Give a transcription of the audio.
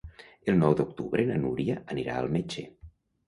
El nou d'octubre na Núria anirà al metge.